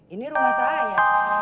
ini rumah saya